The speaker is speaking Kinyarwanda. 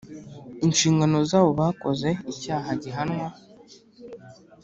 inshingano zabo bakoze icyaha gihanwa